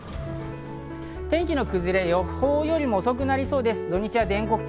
天気の崩れは予報より遅くなりそうです。